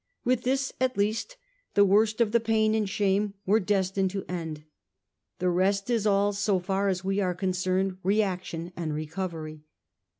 With this at least the worst of the pain and shame were destined to end. The rest is all, so far as we are concerned, reaction and recovery.